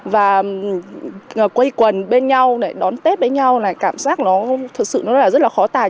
và quây quần bên nhau để đón tết với nhau này cảm giác nó thực sự nó là rất là khó tài